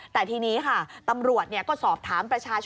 แต่ทีนี้ค่ะตำรวจก็สอบถามประชาชน